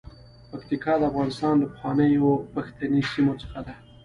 پکتیکا د افغانستان له پخوانیو پښتني سیمو څخه ده.